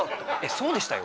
そうでしたよ。